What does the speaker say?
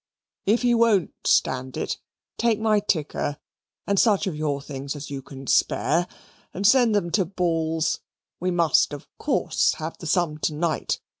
If he won't stand it. Take my ticker and such of your things as you can SPARE, and send them to Balls we must, of coarse, have the sum to night.